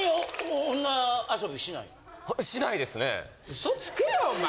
ウソつけやお前！